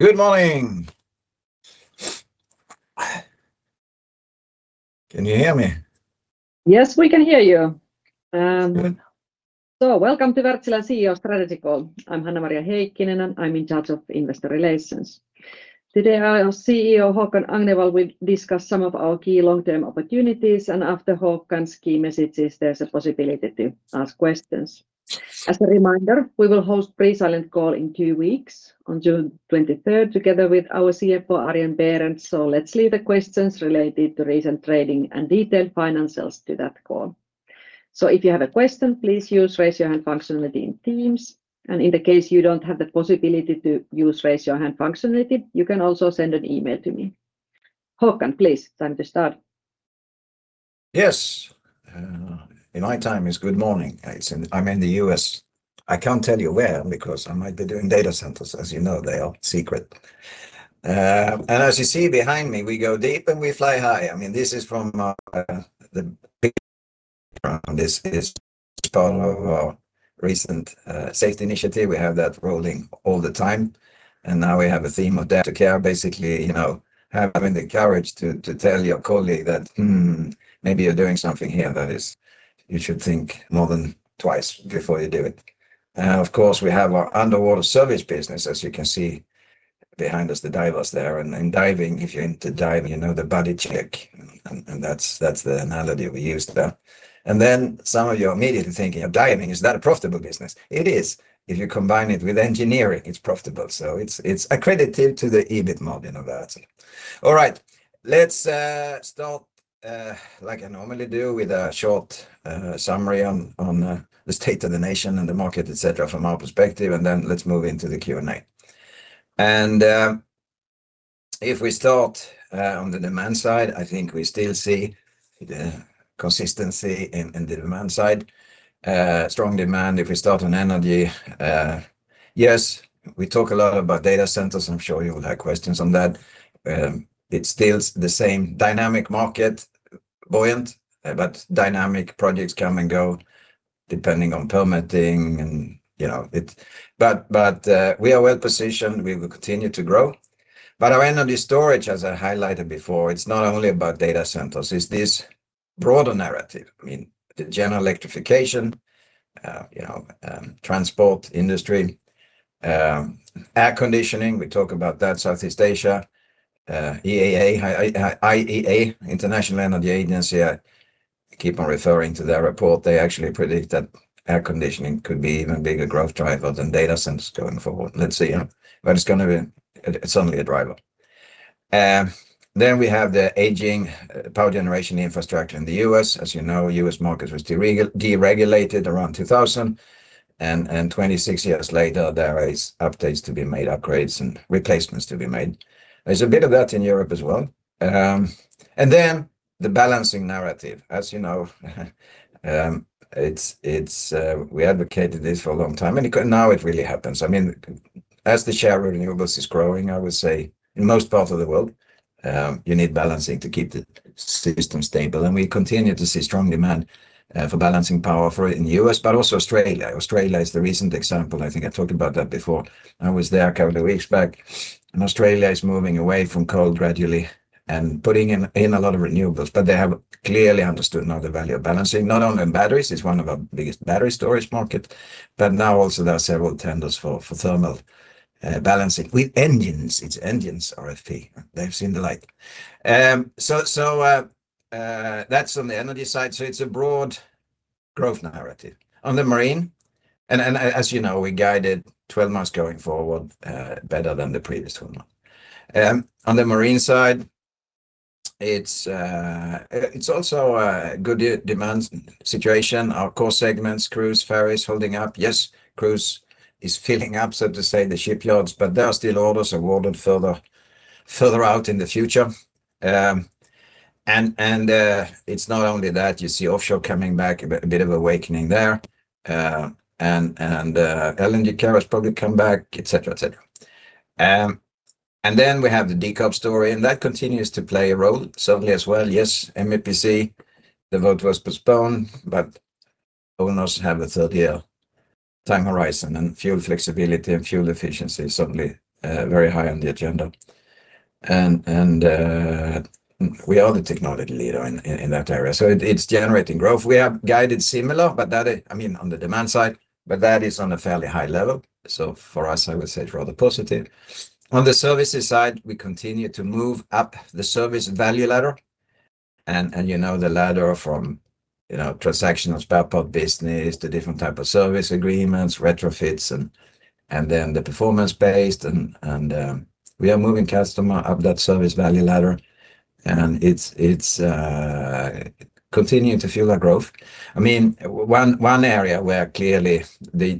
Welcome to Wärtsilä CEO strategy call. I'm Hanna-Maria Heikkinen, I'm in charge of Investor Relations. Today, our CEO, Håkan Agnevall, will discuss some of our key long-term opportunities, and after Håkan's key messages, there's a possibility to ask questions. As a reminder, we will host pre silent call in two weeks, on June 23rd, together with our CFO, Arjen Berends. Let's leave the questions related to recent trading and detailed financials to that call. If you have a question, please use raise your hand functionality in Teams. in the case you don't have the possibility to use raise your hand functionality, you can also send an email to me. Håkan, please, time to start. Yes. In my time, it's good morning. I'm in the U.S. I can't tell you where, because I might be doing data centers. As you know, they are secret. As you see behind me, we go deep, and we fly high. This is from our. This is part of our recent safety initiative. We have that rolling all the time, and now we have a theme of Dare to Care. Basically, having the courage to tell your colleague that, maybe you're doing something here that you should think more than twice before you do it. Of course, we have our underwater service business, as you can see behind us, the divers there. In diving, if you're into diving, you know the buddy check, and that's the analogy we used there. Then some of you are immediately thinking of diving. Is that a profitable business? It is. If you combine it with engineering, it's profitable. It's accredited to the EBIT model of Wärtsilä. Let's start, like I normally do, with a short summary on the state of the nation and the market, etc., from our perspective, then let's move into the Q&A. If we start on the demand side, I think we still see the consistency in the demand side. Strong demand if we start on energy. We talk a lot about data centers, and I'm sure you'll have questions on that. It's still the same dynamic market, buoyant, but dynamic projects come and go depending on permitting. We are well-positioned. We will continue to grow. Our energy storage, as I highlighted before, it's not only about data centers. It's this broader narrative. The general electrification, transport, industry, air conditioning, we talk about that, Southeast Asia, IEA, International Energy Agency, I keep on referring to their report. They actually predict that air conditioning could be even a bigger growth driver than data centers going forward. Let's see. It's going to be certainly a driver. We have the aging power generation infrastructure in the U.S. As you know, U.S. market was deregulated around 2000, 26 years later, there is updates to be made, upgrades and replacements to be made. There's a bit of that in Europe as well. The balancing narrative. As you know, we advocated this for a long time, now it really happens. As the share of renewables is growing, I would say in most parts of the world, you need balancing to keep the system stable. We continue to see strong demand for balancing power for it in the U.S., but also Australia. Australia is the recent example. I think I talked about that before. I was there a couple of weeks back, Australia is moving away from coal gradually and putting in a lot of renewables. They have clearly understood now the value of balancing, not only in batteries, it's one of our biggest battery storage market, but now also there are several tenders for thermal balancing with engines. It's engines RFP. They've seen the light. That's on the energy side. It's a broad growth narrative. On the marine, as you know, we guided 12 months going forward, better than the previous 12 months. On the marine side, it's also a good demand situation. Our core segments, cruise, ferries, holding up. Cruise is filling up, so to say, the shipyards, there are still orders awarded further out in the future. It's not only that, you see offshore coming back, a bit of awakening there. LNG carriers probably come back, etc. We have the decarbonize story, that continues to play a role certainly as well. MEPC, the vote was postponed, owners have a 30-year time horizon, fuel flexibility and fuel efficiency is certainly very high on the agenda. We are the technology leader in that area. It's generating growth. We have guided similar, but that, on the demand side, that is on a fairly high level. For us, I would say it's rather positive. On the services side, we continue to move up the service value ladder, you know the ladder from transactional spare part business to different type of service agreements, retrofits, and then the performance-based. We are moving customer up that service value ladder, and it's continuing to fuel our growth. One area where clearly the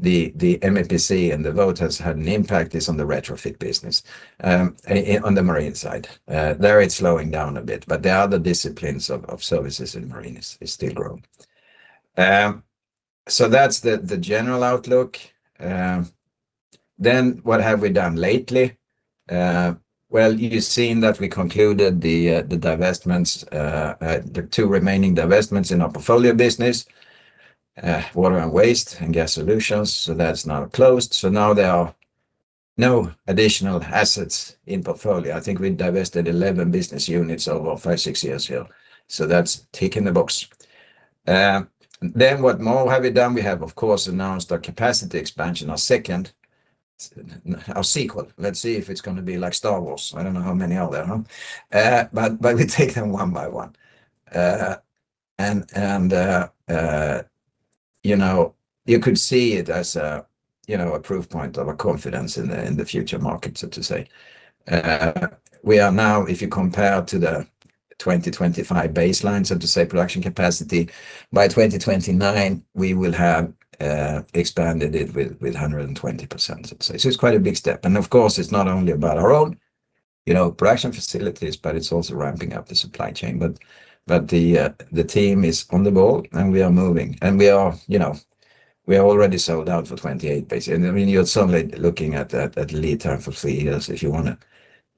MEPC and the vote has had an impact is on the retrofit business, on the marine side. There, it's slowing down a bit, but the other disciplines of services in marine is still growing. That's the general outlook. What have we done lately? Well, you've seen that we concluded the two remaining divestments in our portfolio business, water and waste and gas solutions. That's now closed. Now there are no additional assets in portfolio. I think we divested 11 business units over five, six years here. That's ticking the box. What more have we done? We have, of course, announced our capacity expansion, our second, our sequel. Let's see if it's going to be like Star Wars. I don't know how many are there. We take them one by one. You could see it as a proof point of a confidence in the future market, so to say. We are now, if you compare to the 2025 baseline, so to say, production capacity, by 2029, we will have expanded it with 120%, so to say. It's quite a big step. Of course, it's not only about our own production facilities, but it's also ramping up the supply chain. The team is on the ball, and we are moving. We are already sold out for 2028, basically. You're suddenly looking at lead time for three years if you want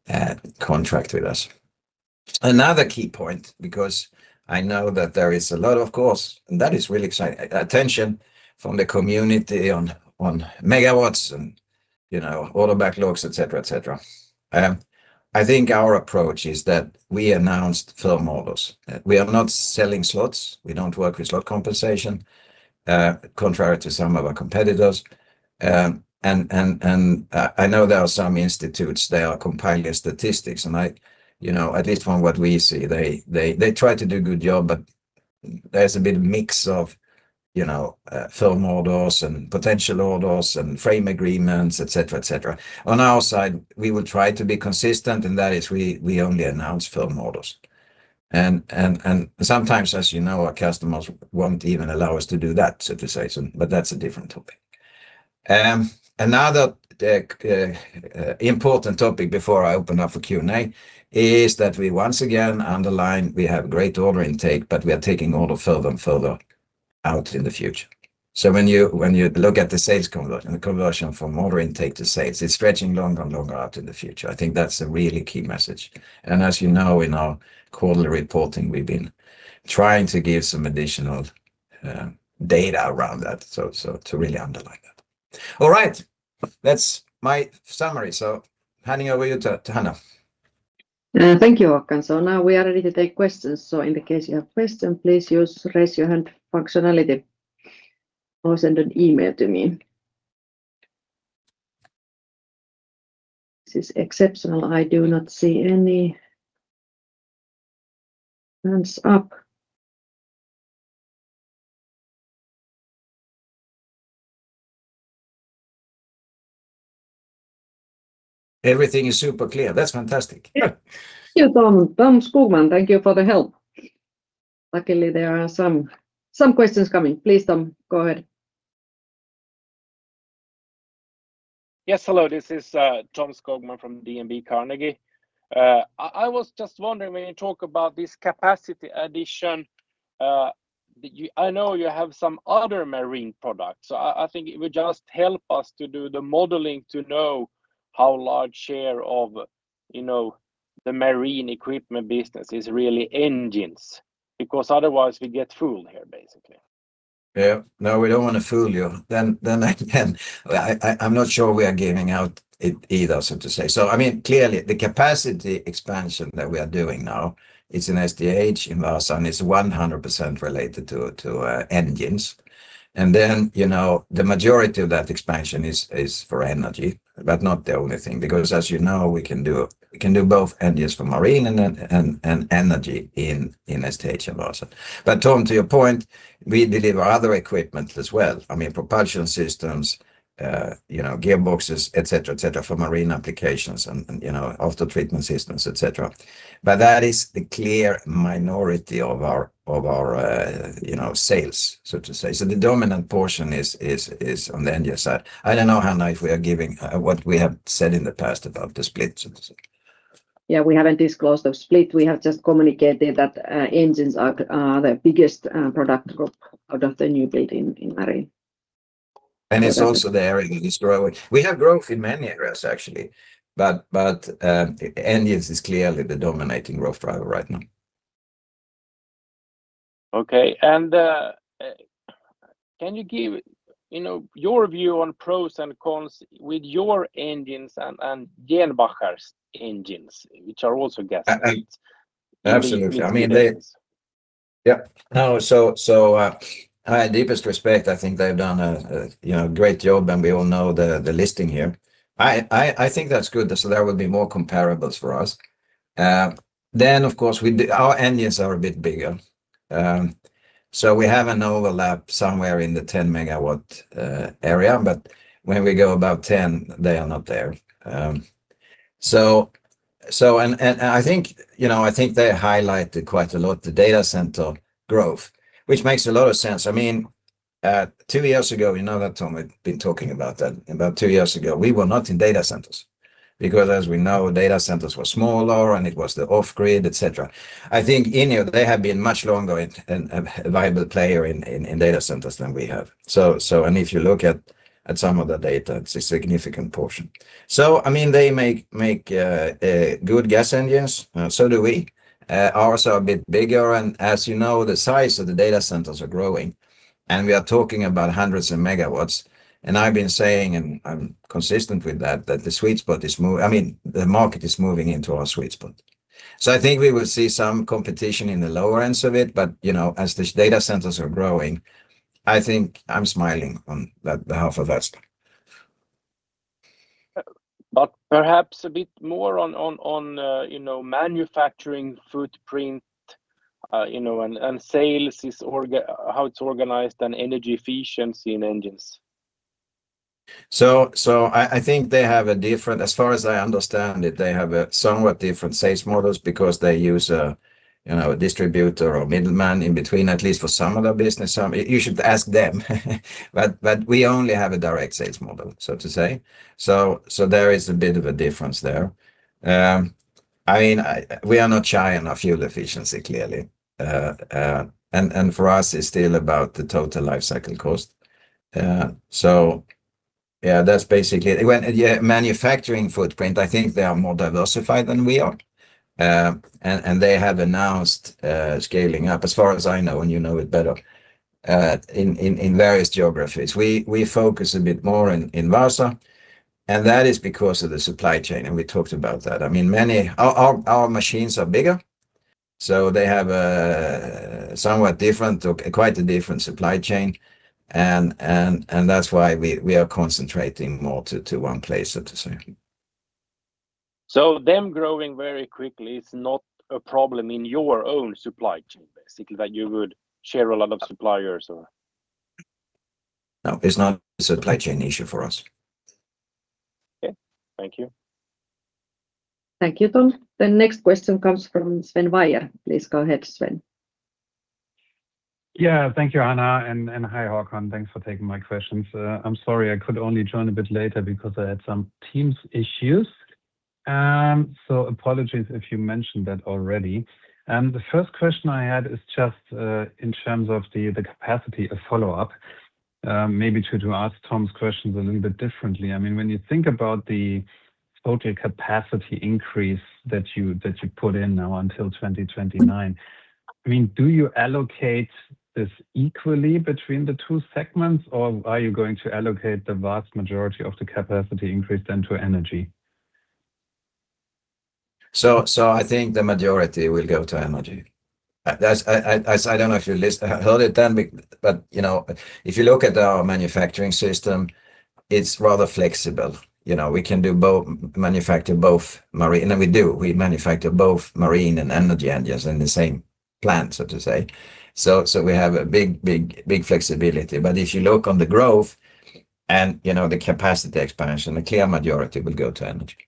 to contract with us. Another key point, because I know that there is a lot, of course, and that is really exciting, attention from the community on megawatts and order backlogs, etc. I think our approach is that we announced firm orders. We are not selling slots. We don't work with slot compensation, contrary to some of our competitors. I know there are some institutes, they are compiling statistics, at least from what we see, they try to do a good job, but there's a bit of mix of firm orders and potential orders and frame agreements, etc. On our side, we will try to be consistent, and that is we only announce firm orders. Sometimes, as you know, our customers won't even allow us to do that, so to say, but that's a different topic. Another important topic before I open up for Q&A is that we once again underline we have great order intake, but we are taking order further and further out in the future. When you look at the sales conversion, the conversion from order intake to sales, it's stretching longer and longer out in the future. I think that's a really key message. As you know, in our quarterly reporting, we've been trying to give some additional data around that, so to really underline that. All right. That's my summary. Handing over you to Hanna. Thank you, Håkan. Now we are ready to take questions. In the case you have question, please use raise your hand functionality or send an email to me. This is exceptional. I do not see any hands up. Everything is super clear. That's fantastic. Yeah. Tom Skogman, thank you for the help. Luckily, there are some questions coming. Please, Tom, go ahead. Yes, hello, this is Tom Skogman from DNB Carnegie. I was just wondering, when you talk about this capacity addition, I know you have some other marine products. I think it would just help us to do the modeling to know how large share of the marine equipment business is really engines, because otherwise we get fooled here, basically. Yeah. No, we don't want to fool you. I'm not sure we are giving out it either, so to say. Clearly, the capacity expansion that we are doing now, it's in STH in Vaasa, it's 100% related to engines. The majority of that expansion is for energy, but not the only thing, because as you know, we can do both engines for marine and energy in STH in Vaasa. Tom, to your point, we deliver other equipment as well. Propulsion systems, gearboxes, etc., for marine applications and aftertreatment systems, etc. That is the clear minority of our sales, so to say. The dominant portion is on the engine side. I don't know, Hanna, if we are giving what we have said in the past about the split. Yeah, we haven't disclosed the split. We have just communicated that engines are the biggest product group out of the new build in marine. It's also the area that is growing. We have growth in many areas, actually. Engines is clearly the dominating growth driver right now. Okay. Can you give your view on pros and cons with your engines and Wärtsilä's engines, which are also gas engines? Absolutely. Between the difference? Yeah. No. Deepest respect, I think they've done a great job, and we all know the listing here. I think that's good. There will be more comparables for us. Of course, our engines are a bit bigger. We have an overlap somewhere in the 10 MW area, but when we go above 10, they are not there. I think they highlighted quite a lot the data center growth, which makes a lot of sense. I mean, two years ago, you know that Tom had been talking about that. About two years ago, we were not in data centers because as we know, data centers were smaller and it was the off-grid, etc. I think INNIO, they have been much longer and a viable player in data centers than we have. If you look at some of the data, it's a significant portion. They make good gas engines, so do we. Ours are a bit bigger, and as you know, the size of the data centers are growing, and we are talking about hundreds of megawatts. I've been saying, and I'm consistent with that the market is moving into our sweet spot. I think we will see some competition in the lower ends of it, but as these data centers are growing, I think I'm smiling on that behalf of us. Perhaps a bit more on manufacturing footprint, and sales, how it's organized, and energy efficiency in engines. I think they have a different, as far as I understand it, they have a somewhat different sales models because they use a distributor or middleman in between, at least for some of their business. You should ask them. We only have a direct sales model, so to say. There is a bit of a difference there. We are not shy on our fuel efficiency, clearly. For us, it's still about the total life cycle cost. Yeah, that's basically it. When manufacturing footprint, I think they are more diversified than we are. They have announced scaling up as far as I know, and you know it better, in various geographies. We focus a bit more in Vaasa, and that is because of the supply chain, and we talked about that. Our machines are bigger, so they have quite a different supply chain, and that's why we are concentrating more to one place, so to say. Them growing very quickly is not a problem in your own supply chain, basically, that you would share a lot of suppliers or? No, it's not a supply chain issue for us. Okay. Thank you. Thank you, Tom. The next question comes from Sven Weier. Please go ahead, Sven. Thank you, Hanna, and hi, Håkan. Thanks for taking my questions. I'm sorry I could only join a bit later because I had some Teams issues. Apologies if you mentioned that already. The first question I had is just, in terms of the capacity, a follow-up, maybe to ask Tom's questions a little bit differently. When you think about the total capacity increase that you put in now until 2029, do you allocate this equally between the two segments, or are you going to allocate the vast majority of the capacity increase then to energy? I think the majority will go to energy. I don't know if you heard it then, but if you look at our manufacturing system, it's rather flexible. We can manufacture both marine, and we do, we manufacture both marine and energy engines in the same plant, so to say. We have a big flexibility. If you look on the growth and the capacity expansion, the clear majority will go to energy.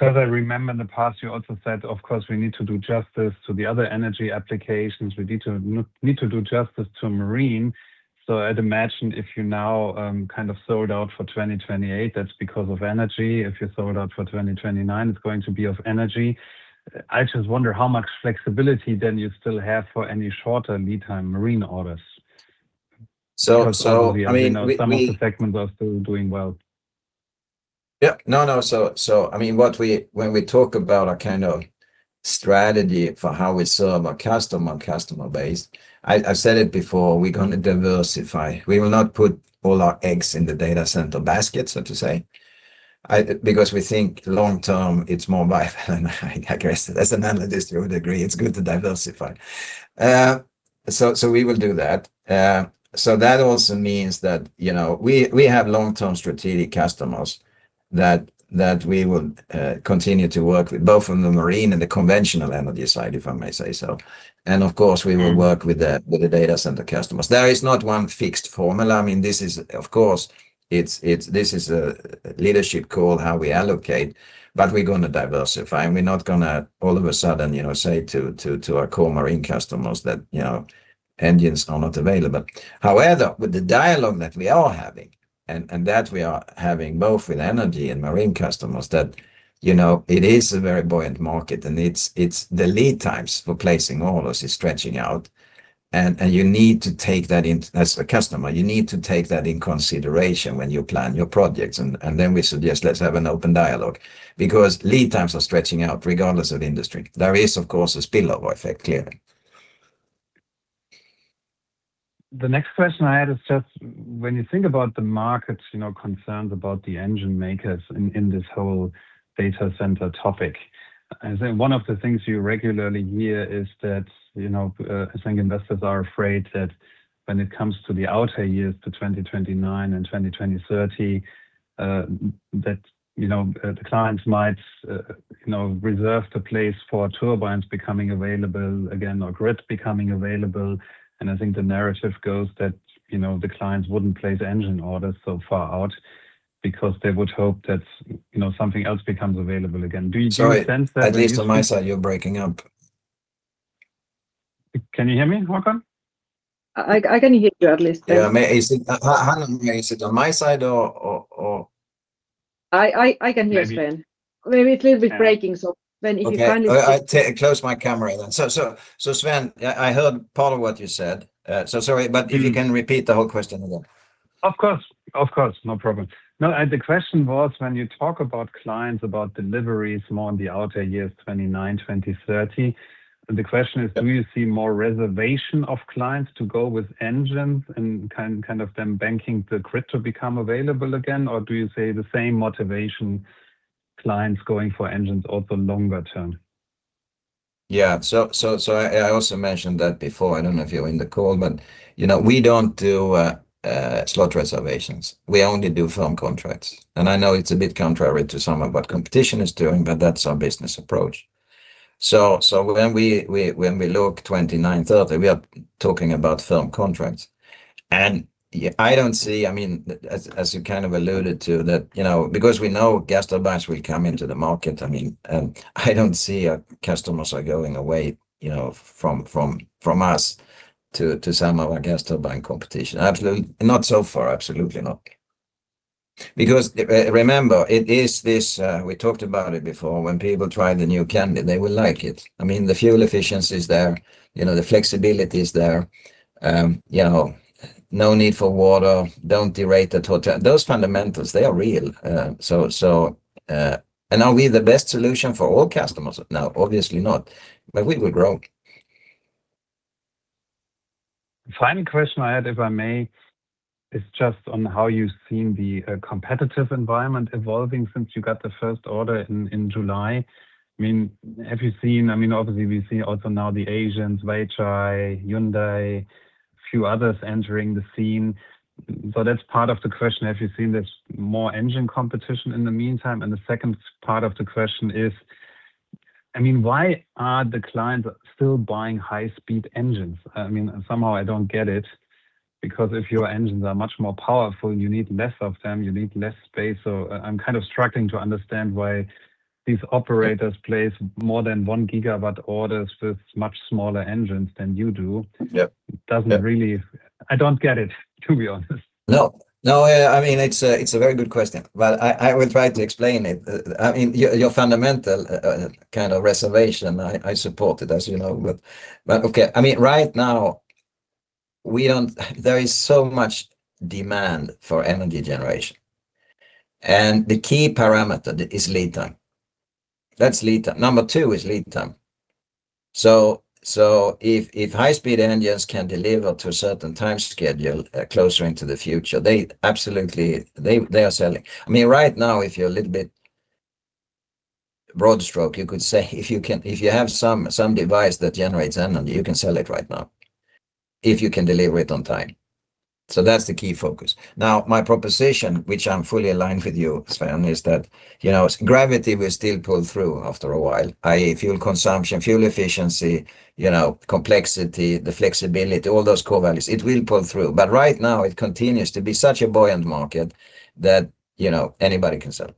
I remember in the past you also said, of course, we need to do justice to the other energy applications. We need to do justice to marine. I'd imagine if you now sold out for 2028, that's because of energy. If you sold out for 2029, it's going to be of energy. I just wonder how much flexibility then you still have for any shorter lead time marine orders. So. Some of the segments are still doing well. When we talk about our kind of strategy for how we serve our customer base, I've said it before, we're going to diversify. We will not put all our eggs in the data center basket, so to say, because we think long term it's more viable. I guess as an analyst you would agree it's good to diversify. We will do that. That also means that we have long-term strategic customers that we will continue to work with, both on the marine and the conventional energy side, if I may say so. Of course, we will work with the data center customers. There is not one fixed formula. This is a leadership call, how we allocate, but we're going to diversify, and we're not going to all of a sudden say to our core marine customers that engines are not available. However, with the dialogue that we are having, and that we are having both with energy and marine customers, that it is a very buoyant market, and it's the lead times for placing orders is stretching out. As a customer, you need to take that in consideration when you plan your projects, and then we suggest let's have an open dialogue. Because lead times are stretching out regardless of industry. There is, of course, a spillover effect, clearly. The next question I had is just when you think about the markets concerned about the engine makers in this whole data center topic, I think one of the things you regularly hear is that I think investors are afraid that when it comes to the outer years to 2029 and 2030, that the clients might reserve the place for turbines becoming available again or grids becoming available. I think the narrative goes that the clients wouldn't place engine orders so far out. Because they would hope that something else becomes available again. Do you sense that? Sorry, at least on my side, you're breaking up. Can you hear me, Håkan? I can hear you at least. Yeah. Hanna, is it on my side or? I can hear Sven. Maybe it is breaking. Sven, if you kindly. Okay. I close my camera then. Sven, I heard part of what you said. Sorry, if you can repeat the whole question again. Of course. No problem. The question was, when you talk about clients, about deliveries more in the outer years 2029, 2030, the question is, do you see more reservation of clients to go with engines and kind of them banking the grid to become available again? Do you see the same motivation clients going for engines also longer term? Yes. I also mentioned that before, I don't know if you were in the call, but we don't do slot reservations. We only do firm contracts. I know it's a bit contrary to some of what competition is doing, but that's our business approach. When we look 2029, 2030, we are talking about firm contracts. I don't see, as you kind of alluded to that, because we know gas turbines will come into the market. I don't see our customers are going away from us to some of our gas turbine competition. Not so far, absolutely not. Remember, we talked about it before, when people try the new candy, they will like it. The fuel efficiency is there, the flexibility is there. No need for water, don't derate the total. Those fundamentals, they are real. Are we the best solution for all customers? No, obviously not. We will grow. Final question I had, if I may, is just on how you've seen the competitive environment evolving since you got the first order in July. Obviously, we see also now the Asians, Weichai, Hyundai, few others entering the scene. That's part of the question. Have you seen there's more engine competition in the meantime? The second part of the question is, why are the clients still buying high-speed engines? Somehow I don't get it, because if your engines are much more powerful, you need less of them, you need less space. I'm kind of struggling to understand why these operators place more than one gigawatt orders with much smaller engines than you do. I don't get it, to be honest. No. It's a very good question. I will try to explain it. Your fundamental kind of reservation, I support it, as you know. Right now, there is so much demand for energy generation, and the key parameter is lead time. That's lead time. Number two is lead time. If high-speed engines can deliver to a certain time schedule, closer into the future, they are selling. Right now, if you're a little bit broad stroke, you could say, if you have some device that generates energy, you can sell it right now, if you can deliver it on time. That's the key focus. Now, my proposition, which I'm fully aligned with you, Sven, is that gravity will still pull through after a while, i.e., fuel consumption, fuel efficiency, complexity, the flexibility, all those core values, it will pull through. Right now, it continues to be such a buoyant market that anybody can sell.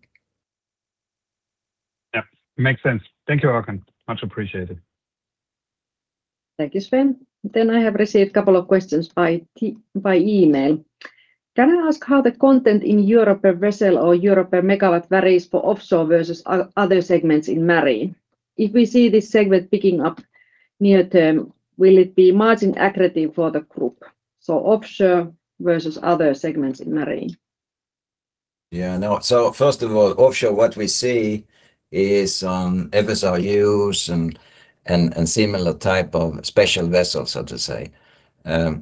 Yeah. Makes sense. Thank you, Håkan. Much appreciated. Thank you, Sven. I have received couple of questions by email. Can I ask how the content in Europe per vessel or Europe per megawatt varies for offshore versus other segments in marine? If we see this segment picking up near term, will it be margin accretive for the group? Offshore versus other segments in marine. First of all, offshore, what we see is FSRUs and similar type of special vessels, so to say,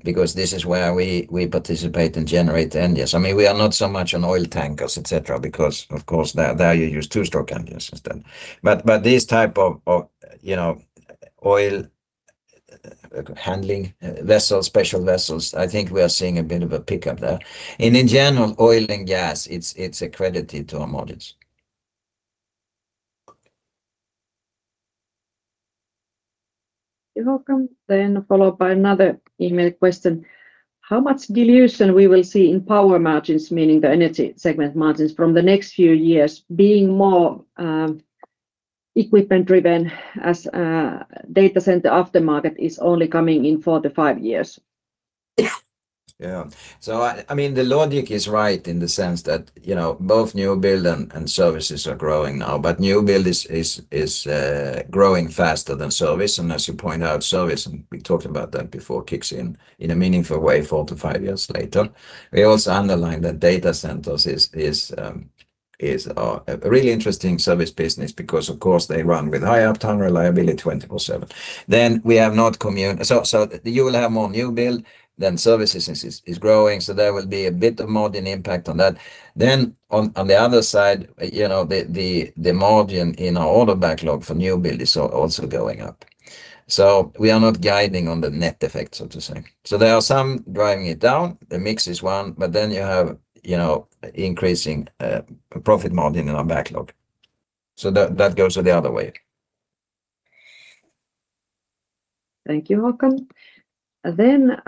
because this is where we participate and generate the engines. We are not so much on oil tankers, etc., because of course, there you use two-stroke engines instead. These type of oil handling vessels, special vessels, I think we are seeing a bit of a pickup there. In general, oil and gas, it's accretive to our margins. Håkan, followed by another email question. How much dilution we will see in power margins, meaning the energy segment margins from the next few years being more equipment-driven as data center aftermarket is only coming in four to five years? The logic is right in the sense that both new build and services are growing now, but new build is growing faster than service. As you point out, service, and we talked about that before, kicks in in a meaningful way four to five years later. We also underlined that data centers is a really interesting service business because of course, they run with high uptime reliability 24/7. You will have more new build than services is growing, there will be a bit of margin impact on that. On the other side, the margin in our order backlog for new build is also going up. We are not guiding on the net effect, so to say. There are some driving it down. The mix is one, you have increasing profit margin in our backlog. That goes the other way. Thank you, Håkan. Overall,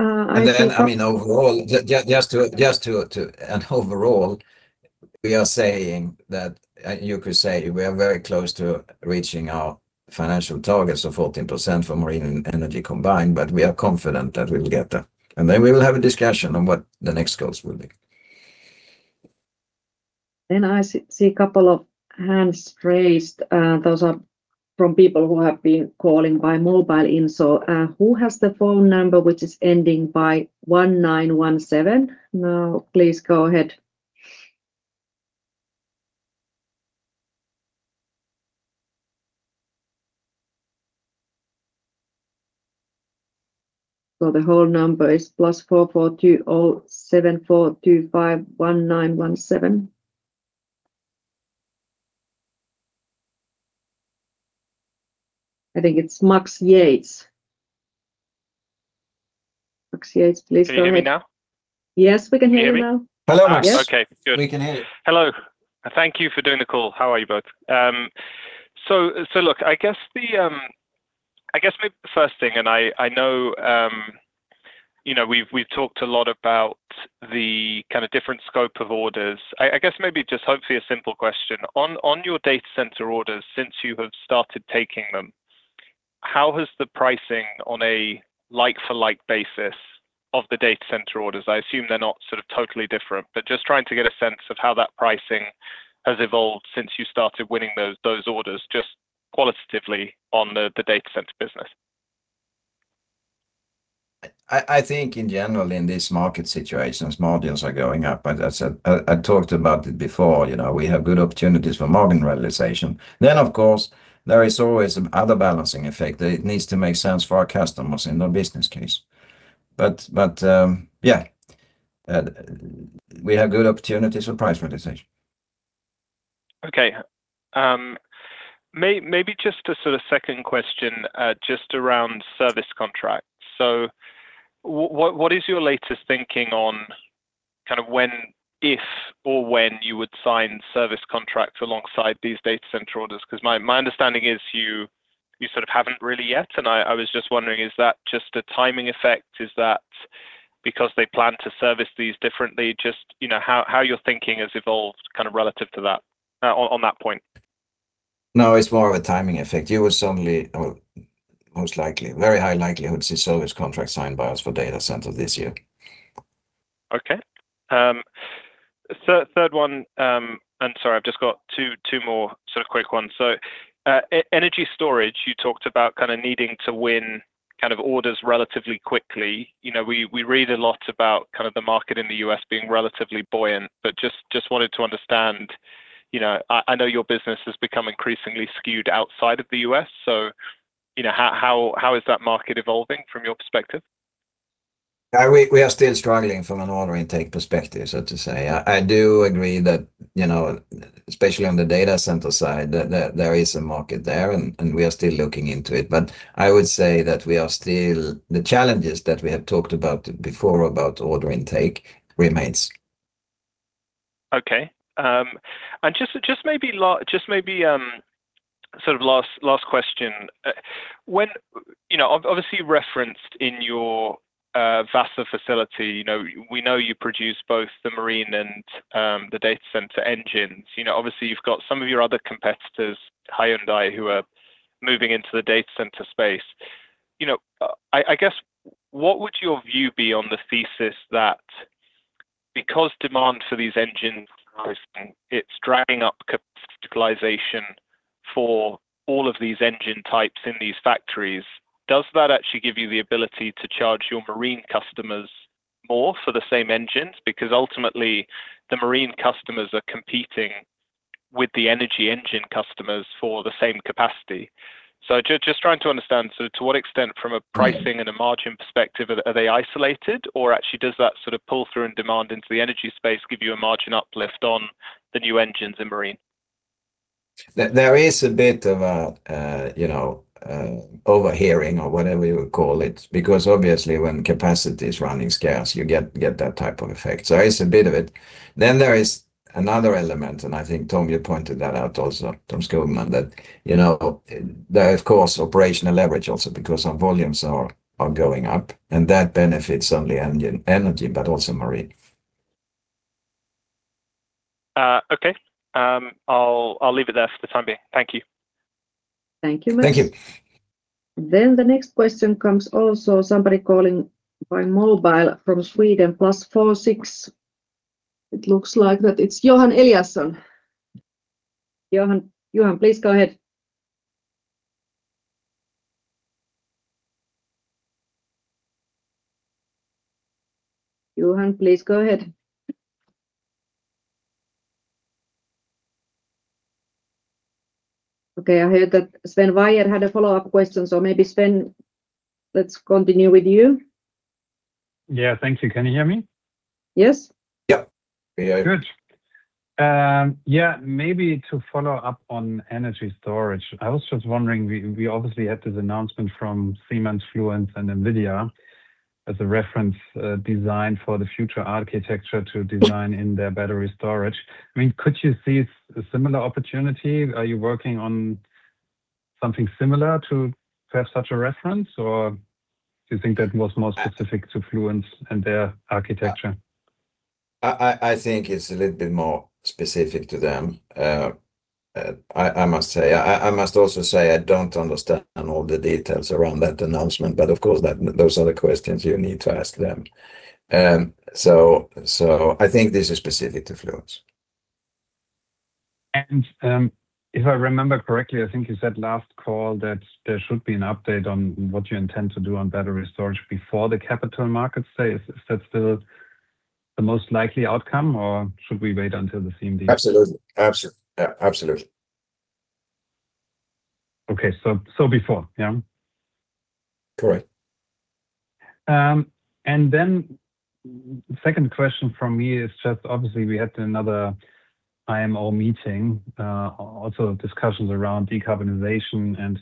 we are saying that you could say we are very close to reaching our financial targets of 14% for marine and energy combined, but we are confident that we'll get there. We will have a discussion on what the next goals will be. I see a couple of hands raised. Those are from people who have been calling by mobile. Who has the phone number which is ending by 1917? Now please go ahead. The whole number is +44 20 7425 1917. I think it's Max Yates. Max Yates, please go ahead. Can you hear me now? Yes, we can hear you now. Can you hear me? Hello, Max. Okay, good. We can hear you. Hello. Thank you for doing the call. How are you both? Look, I guess maybe the first thing, I know we've talked a lot about the kind of different scope of orders. I guess maybe just hopefully a simple question. On your data center orders, since you have started taking them, how has the pricing on a like-for-like basis of the data center orders, I assume they're not sort of totally different, but just trying to get a sense of how that pricing has evolved since you started winning those orders, just qualitatively on the data center business. I think in general, in these market situations, margins are going up. I talked about it before, we have good opportunities for margin realization. Of course, there is always other balancing effect that it needs to make sense for our customers in their business case. Yeah, we have good opportunities for price realization. Okay. Maybe just a sort of second question, just around service contracts. What is your latest thinking on if or when you would sign service contracts alongside these data center orders? My understanding is you sort of haven't really yet, and I was just wondering, is that just a timing effect? Is that because they plan to service these differently? Just how your thinking has evolved kind of relative to that on that point. It's more of a timing effect. You will suddenly, or most likely, very high likelihood, see service contracts signed by us for data centers this year. Okay. Third one, sorry, I've just got two more sort of quick ones. Energy storage, you talked about kind of needing to win orders relatively quickly. We read a lot about the market in the U.S. being relatively buoyant, just wanted to understand. I know your business has become increasingly skewed outside of the U.S., how is that market evolving from your perspective? We are still struggling from an order intake perspective, so to say. I do agree that, especially on the data center side, that there is a market there, and we are still looking into it. I would say that the challenges that we have talked about before about order intake remains. Okay. Just maybe sort of last question. Obviously referenced in your Vaasa facility, we know you produce both the marine and the data center engines. Obviously, you've got some of your other competitors, Hyundai, who are moving into the data center space. I guess, what would your view be on the thesis that because demand for these engines, it's driving up capitalization for all of these engine types in these factories. Does that actually give you the ability to charge your marine customers more for the same engines? Because ultimately, the marine customers are competing with the energy engine customers for the same capacity. Just trying to understand, to what extent from a pricing and a margin perspective, are they isolated, or actually does that sort of pull-through in demand into the energy space give you a margin uplift on the new engines in marine? There is a bit of a overhearing or whatever you call it, because obviously when capacity is running scarce, you get that type of effect. There is a bit of it. There is another element, and I think Tommi pointed that out also, Tommi Gustafsson, that of course, operational leverage also because our volumes are going up, and that benefits only energy, but also marine. Okay. I'll leave it there for the time being. Thank you. Thank you, Max. Thank you. The next question comes also somebody calling by mobile from Sweden, +46. It looks like that it's Johan Eliason. Johan, please go ahead. Johan, please go ahead. Okay, I heard that Sven Weier had a follow-up question, so maybe Sven, let's continue with you. Yeah, thank you. Can you hear me? Yes. Yep. Good. Yeah, maybe to follow up on energy storage. I was just wondering, we obviously had this announcement from Siemens, Fluence, and NVIDIA. As a reference design for the future architecture to design in their battery storage. Could you see a similar opportunity? Are you working on something similar to have such a reference, or do you think that was more specific to Fluence and their architecture? I think it's a little bit more specific to them. I must also say I don't understand all the details around that announcement, of course, those are the questions you need to ask them. I think this is specific to Fluence. If I remember correctly, I think you said last call that there should be an update on what you intend to do on battery storage before the capital market says if that's still the most likely outcome, or should we wait until the CMD? Absolutely. Okay. Before, yeah? Correct. Second question from me is just obviously we had another IMO meeting, also discussions around decarbonization, and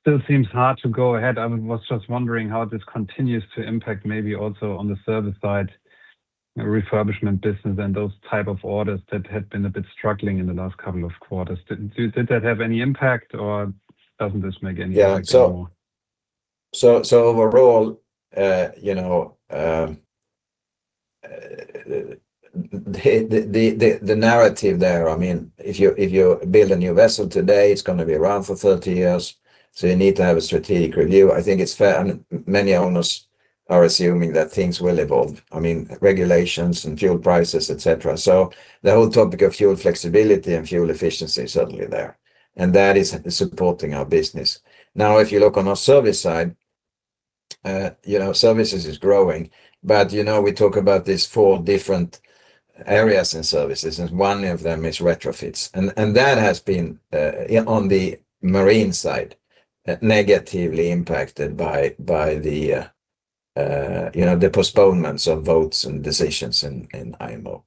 still seems hard to go ahead. I was just wondering how this continues to impact maybe also on the service side, refurbishment business, and those type of orders that had been a bit struggling in the last couple of quarters. Did that have any impact or doesn't this make any impact at all? Yeah. Overall, the narrative there, if you build a new vessel today, it's going to be around for 30 years, you need to have a strategic review. I think it's fair and many owners are assuming that things will evolve. Regulations and fuel prices, etc. The whole topic of fuel flexibility and fuel efficiency is certainly there, and that is supporting our business. Now, if you look on our service side, services is growing. We talk about these four different areas in services, and one of them is retrofits. That has been on the marine side, negatively impacted by the postponements of votes and decisions in IMO.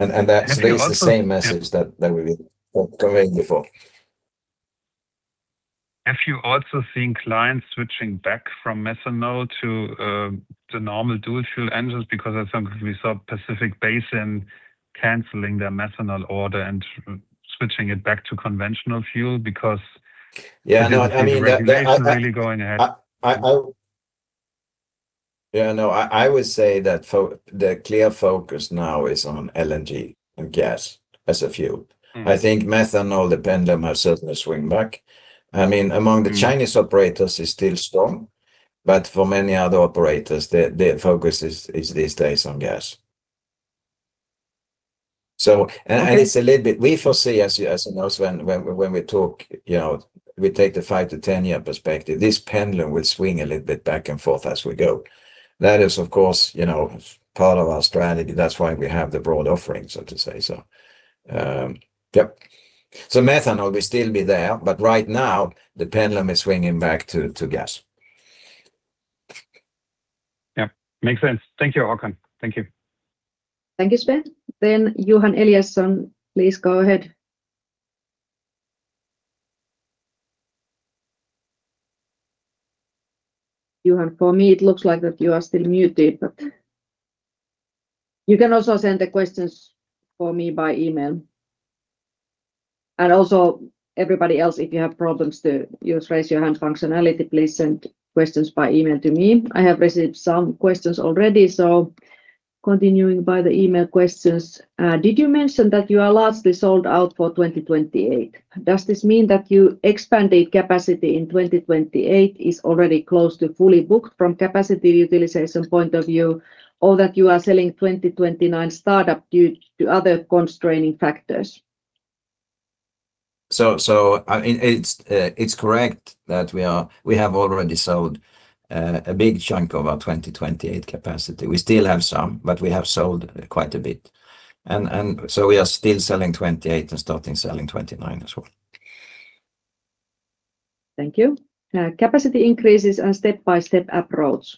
Do you also? stays the same message that we've been conveying before. Have you also seen clients switching back from methanol to the normal dual fuel engines? Because I think we saw Pacific Basin canceling their methanol order and switching it back to conventional fuel. Yeah, no. The regulation is really going ahead. I would say that the clear focus now is on LNG and gas as a fuel. I think methanol, the pendulum has certainly swing back. Among the Chinese operators, it's still strong, but for many other operators, their focus is these days on gas. Okay. We foresee, as you also know, when we talk, we take the 5-10 year perspective, this pendulum will swing a little bit back and forth as we go. That is, of course, part of our strategy. That's why we have the broad offering, so to say. Yep. Methanol will still be there, but right now the pendulum is swinging back to gas. Yeah. Makes sense. Thank you, Håkan. Thank you. Thank you, Sven. Johan Eliason, please go ahead. Johan, for me, it looks like that you are still muted, but you can also send the questions for me by email. Everybody else, if you have problems to use raise your hand functionality, please send questions by email to me. I have received some questions already, continuing by the email questions. Did you mention that you are largely sold out for 2028? Does this mean that your expanded capacity in 2028 is already close to fully booked from capacity utilization point of view, or that you are selling 2029 startup due to other constraining factors? It's correct that we have already sold a big chunk of our 2028 capacity. We still have some, but we have sold quite a bit. We are still selling 2028 and starting selling 2029 as well. Thank you. Capacity increases are step-by-step approach.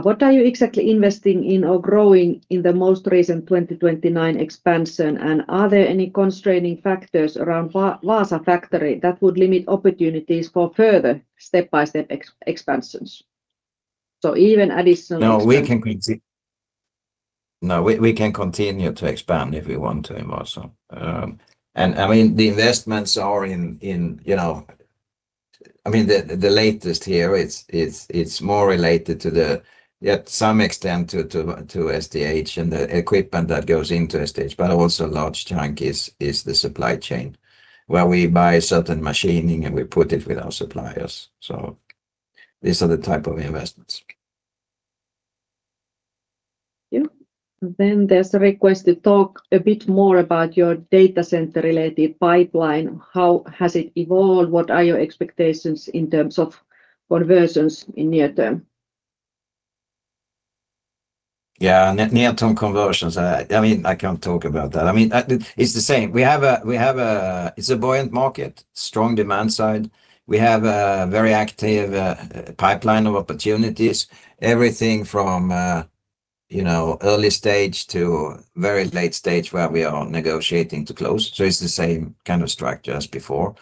What are you exactly investing in or growing in the most recent 2029 expansion, and are there any constraining factors around Vaasa factory that would limit opportunities for further step-by-step expansions? No, we can continue to expand if we want to in Vaasa. The investments are in the latest here, it's more related to, at some extent to STH and the equipment that goes into STH, but also a large chunk is the supply chain where we buy certain machining and we put it with our suppliers. These are the type of investments. Yeah. There's a request to talk a bit more about your data center related pipeline. How has it evolved? What are your expectations in terms of conversions in near term? Yeah. Near term conversions, I can't talk about that. It's the same. It's a buoyant market, strong demand side. We have a very active pipeline of opportunities. Everything from early stage to very late stage where we are negotiating to close. It's the same kind of structure as before.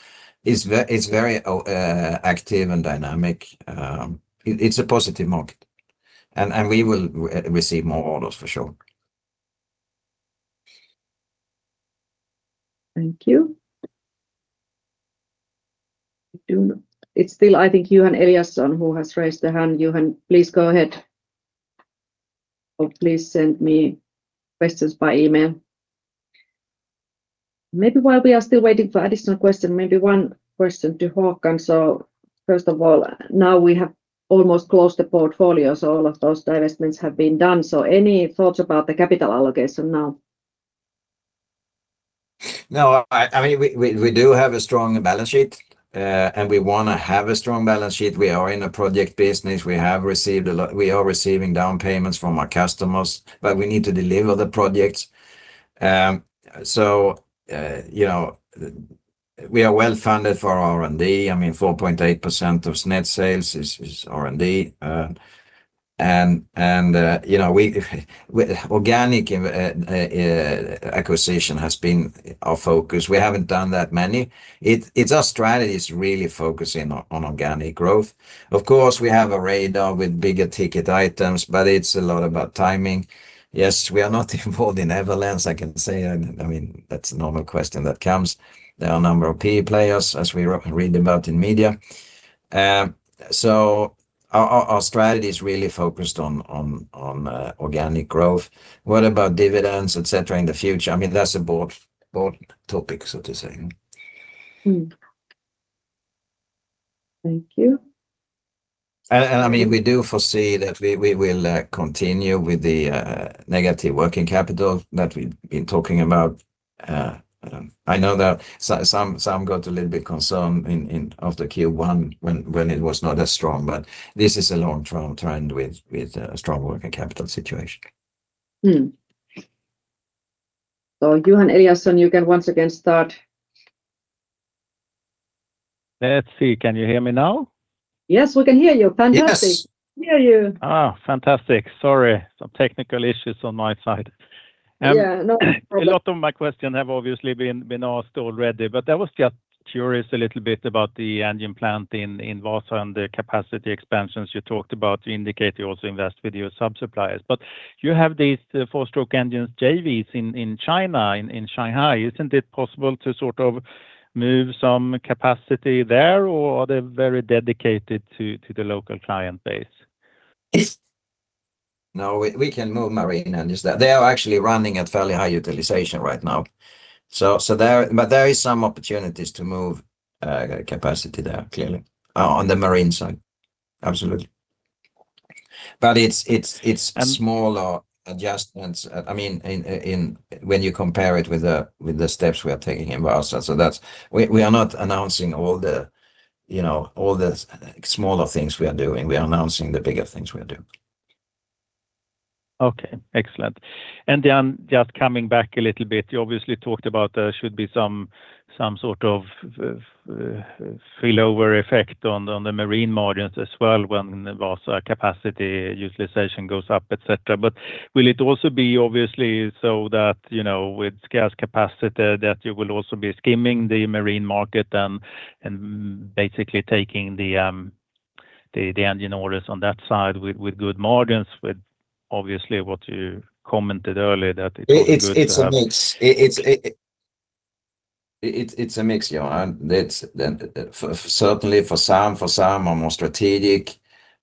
It's very active and dynamic. It's a positive market, we will receive more orders for sure. Thank you. It's still, I think, Johan Eliason who has raised the hand. Johan, please go ahead. Please send me questions by email. Maybe while we are still waiting for additional question, maybe one question to Håkan. First of all, now we have almost closed the portfolio, so all of those divestments have been done. Any thoughts about the capital allocation now? No, we do have a strong balance sheet, and we want to have a strong balance sheet. We are in a project business. We are receiving down payments from our customers, but we need to deliver the projects. We are well-funded for R&D. 4.8% of net sales is R&D. Organic acquisition has been our focus. We haven't done that many. It's our strategy is really focusing on organic growth. Of course, we have a radar with bigger ticket items, but it's a lot about timing. Yes, we are not involved in Everllence, I can say. That's a normal question that comes. There are a number of PE players as we read about in media. Our strategy is really focused on organic growth. What about dividends, etc., in the future? That's a broad topic, so to say. Thank you. We do foresee that we will continue with the negative working capital that we've been talking about. I know that some got a little bit concerned after Q1 when it was not as strong, but this is a long-term trend with a strong working capital situation. Johan Eliason, you can once again start. Let's see. Can you hear me now? Yes, we can hear you. Fantastic. Yes. We hear you. Fantastic. Sorry. Some technical issues on my side. Yeah, no problem. A lot of my question have obviously been asked already. I was just curious a little bit about the engine plant in Vaasa and the capacity expansions you talked about. You indicate you also invest with your sub-suppliers. You have these four-stroke engines JVs in China, in Shanghai. Isn't it possible to sort of move some capacity there, or are they very dedicated to the local client base? No, we can move marine engines there. They are actually running at fairly high utilization right now. There is some opportunities to move capacity there, clearly, on the marine side. Absolutely. It's smaller adjustments, when you compare it with the steps we are taking in Wärtsilä. We are not announcing all the smaller things we are doing. We are announcing the bigger things we are doing. Okay. Excellent. Then just coming back a little bit, you obviously talked about there should be some sort of fill-over effect on the marine margins as well when Wärtsilä capacity utilization goes up, etc. Will it also be obviously so that, with scarce capacity, that you will also be skimming the marine market and basically taking the engine orders on that side with good margins, with obviously what you commented earlier that it's good to have. It's a mix, Johan. Certainly for some are more strategic.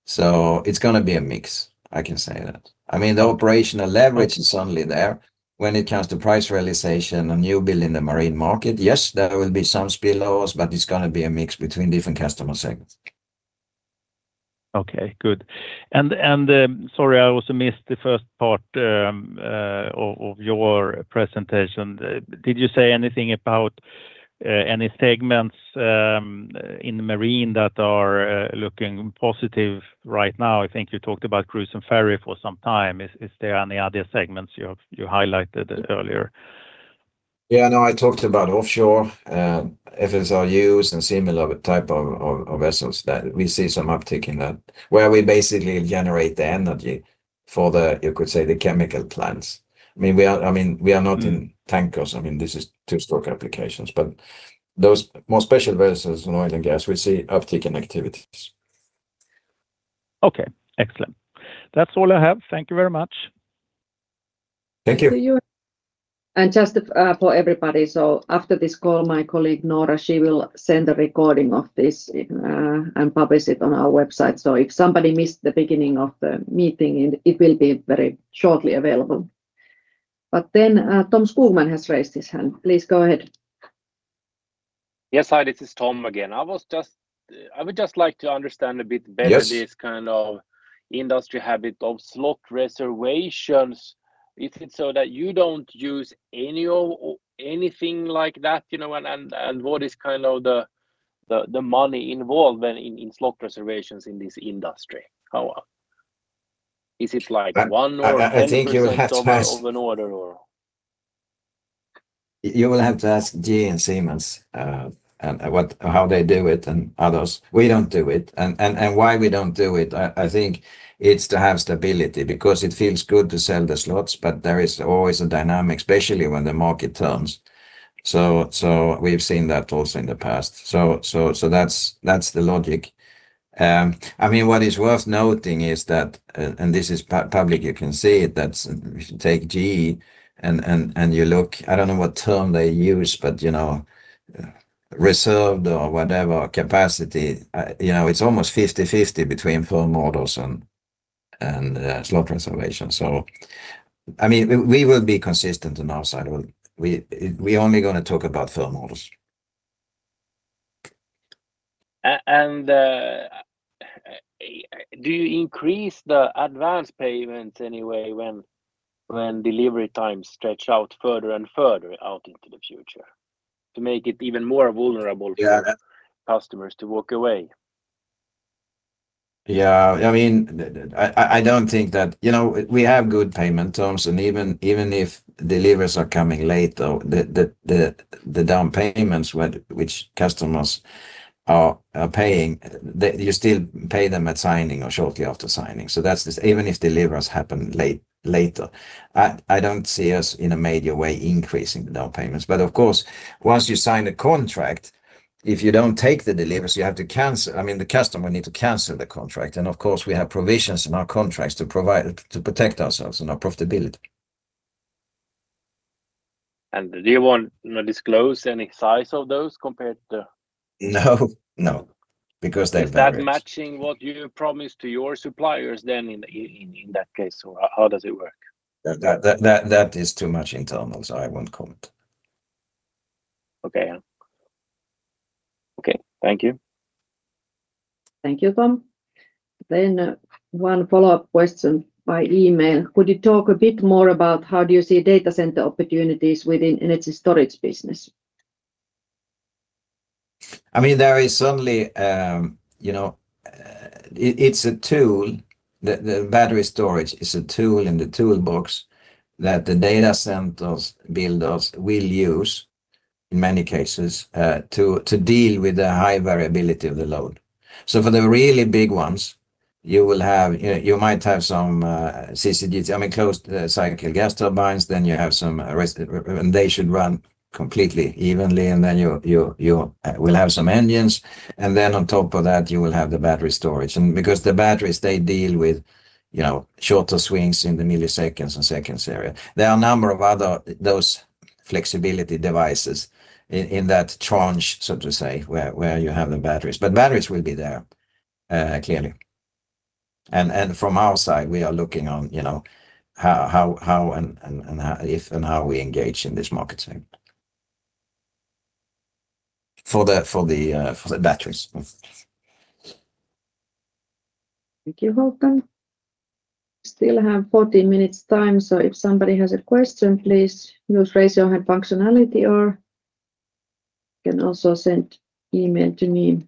It's going to be a mix. I can say that. The operational leverage is only there when it comes to price realization on new build in the marine market. Yes, there will be some spillovers. It's going to be a mix between different customer segments. Okay, good. Sorry, I also missed the first part of your presentation. Did you say anything about any segments in marine that are looking positive right now? I think you talked about cruise and ferry for some time. Is there any other segments you highlighted earlier? Yeah, no, I talked about offshore, FSRUs and similar type of vessels that we see some uptick in that, where we basically generate the energy for the, you could say, the chemical plants. We are not in tankers. This is two-stroke applications, but those more special vessels in oil and gas, we see uptick in activities. Okay. Excellent. That's all I have. Thank you very much. Thank you. Thank you, Johan. Just for everybody, after this call, my colleague Nora, she will send a recording of this and publish it on our website. If somebody missed the beginning of the meeting, it will be very shortly available. Tom Skogman has raised his hand. Please go ahead. Yes. Hi, this is Tom again. I would just like to understand a bit better. Yes. this kind of industry habit of slot reservations. Is it so that you don't use anything like that, and what is kind of the money involved in slot reservations in this industry? Is it like 1% or 10% of an order or? You will have to ask GE and Siemens how they do it and others. We don't do it. Why we don't do it, I think it's to have stability because it feels good to sell the slots, but there is always a dynamic, especially when the market turns. We've seen that also in the past. That's the logic. What is worth noting is that, this is public, you can see it, that if you take GE and you look, I don't know what term they use, but reserved or whatever capacity, it's almost 50/50 between firm orders and slot reservation. We will be consistent on our side. We only going to talk about firm orders. Do you increase the advance payment any way when delivery times stretch out further and further out into the future to make it even more vulnerable for customers to walk away? Yeah. We have good payment terms, even if deliveries are coming late, though, the down payments which customers are paying, you still pay them at signing or shortly after signing. Even if deliveries happen later, I don't see us in a major way increasing the down payments. Of course, once you sign a contract, if you don't take the deliveries, the customer will need to cancel the contract. Of course, we have provisions in our contracts to protect ourselves and our profitability. Do you want to disclose any size of those compared to. No. They vary. Is that matching what you promised to your suppliers then in that case, or how does it work? That is too much internal, so I won't comment. Okay, yeah. Okay, thank you. Thank you, Tom. One follow-up question by email. Could you talk a bit more about how do you see data center opportunities within energy storage business? The battery storage is a tool in the toolbox that the data centers builders will use in many cases, to deal with the high variability of the load. For the really big ones, you might have some CCGT, combined cycle gas turbines, and they should run completely evenly, and then you will have some engines, and then on top of that, you will have the battery storage. Because the batteries they deal with shorter swings in the milliseconds and seconds area. There are a number of other those flexibility devices in that tranche, so to say, where you have the batteries. Batteries will be there, clearly. From our side, we are looking on if and how we engage in this market segment for the batteries. Thank you, Håkan. Still have 14 minutes time, so if somebody has a question, please use raise your hand functionality or you can also send email to me.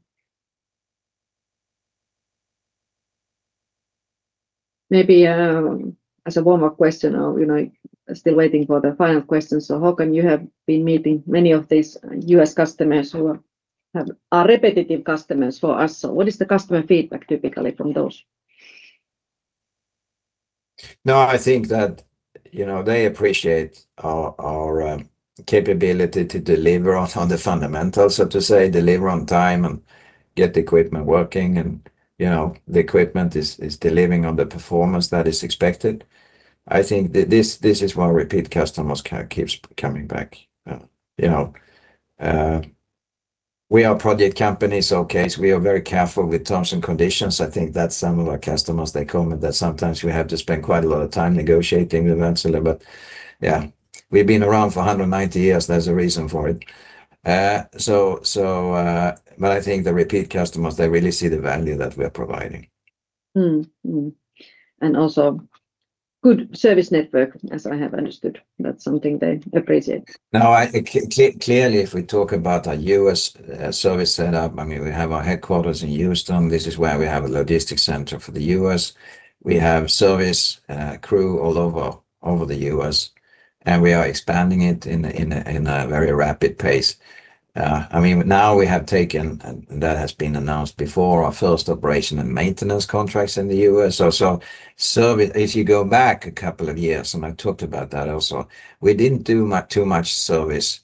Maybe as a warmer question or still waiting for the final question. Håkan, you have been meeting many of these U.S. customers who are repetitive customers for us. What is the customer feedback typically from those? I think that they appreciate our capability to deliver on the fundamentals, so to say, deliver on time and get the equipment working and the equipment is delivering on the performance that is expected. I think this is why repeat customers keeps coming back. We are project companies, okay, so we are very careful with terms and conditions. I think that some of our customers, they comment that sometimes we have to spend quite a lot of time negotiating with Wärtsilä. But yeah, we've been around for 190 years, there's a reason for it. I think the repeat customers, they really see the value that we are providing. Also good service network, as I have understood. That's something they appreciate. I think clearly if we talk about our U.S. service set up, we have our headquarters in Houston. This is where we have a logistics center for the U.S. We have service crew all over the U.S., and we are expanding it in a very rapid pace. We have taken, and that has been announced before our first operation and maintenance contracts in the U.S. If you go back a couple of years, and I've talked about that also, we didn't do too much service.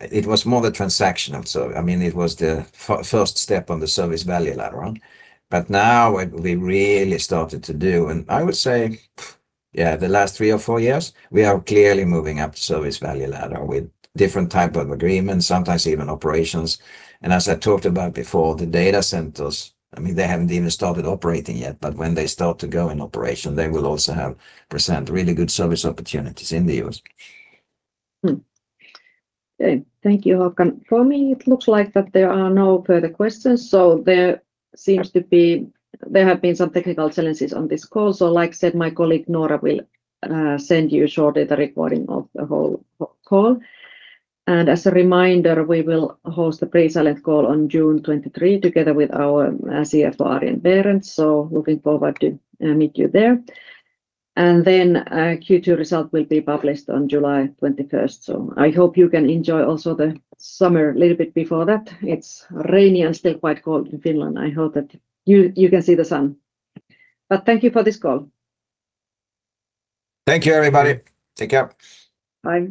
It was more the transactional service. It was the first step on the service value ladder. Now what we really started to do, and I would say, yeah, the last three or four years, we are clearly moving up the service value ladder with different type of agreements, sometimes even operations. As I talked about before, the data centers, they haven't even started operating yet, but when they start to go in operation, they will also present really good service opportunities in the U.S. Thank you, Håkan. For me, it looks like that there are no further questions, there have been some technical challenges on this call. Like I said, my colleague Nora will send you shortly the recording of the whole call. As a reminder, we will host the pre-silent call on June 23rd together with our CFO, Arjen Berends, looking forward to meet you there. Our Q2 result will be published on July 21st, I hope you can enjoy also the summer a little bit before that. It's rainy and still quite cold in Finland. I hope that you can see the sun. Thank you for this call. Thank you everybody. Take care. Bye